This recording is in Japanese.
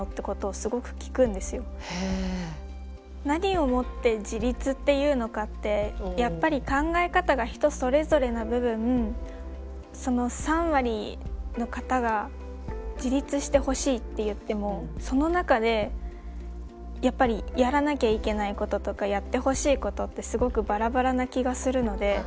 何をもって自立っていうのかってやっぱり考え方が人それぞれな部分その３割の方が自立してほしいって言ってもその中でやっぱりやらなきゃいけないこととかやってほしいことってすごくバラバラな気がするので。